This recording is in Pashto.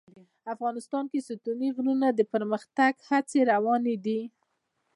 افغانستان کې د ستوني غرونه د پرمختګ هڅې روانې دي.